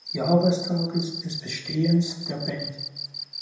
Jahrestages des Bestehens der Band.